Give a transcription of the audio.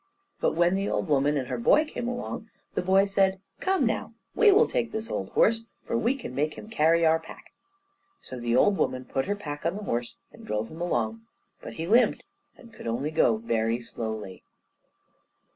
But when the old woman and her boy came along, the boy said, "Come now, we will take this old horse, for we can make him carry our pack." So the old woman put her pack on the horse, and drove him along, but he limped and could only go very slowly.